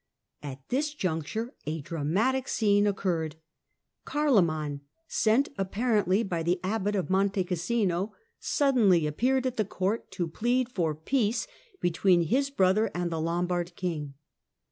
At this juncture a dramatic scene ccurred. Carloman, sent apparently by the Abbot ofCarioman's Monte Cassino, suddenly appeared at the court to plead or peace between his brother and the Lombard king.